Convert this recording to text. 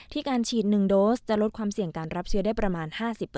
การฉีด๑โดสจะลดความเสี่ยงการรับเชื้อได้ประมาณ๕๐